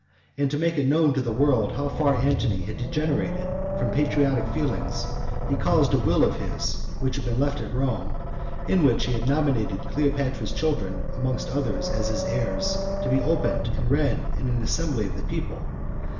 And to make it known to the world how far Antony had degenerated from patriotic feelings, he caused a will of his, which had been left at Rome, and in which he had nominated Cleopatra's children, amongst others, as his heirs, to be opened and read in an assembly of the people.